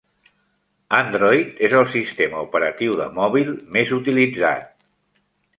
Android és el sistema operatiu de mòbil més utilitzat.